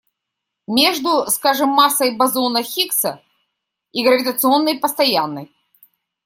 Между, скажем, массой бозона Хиггса и гравитационной постоянной.